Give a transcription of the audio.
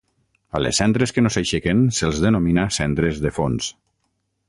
A les cendres que no s'aixequen se'ls denomina cendres de fons.